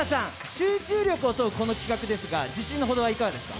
集中力を問うこの企画ですが、自信のほどはどうですか？